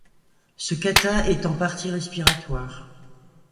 Ce kata est en partie respiratoire.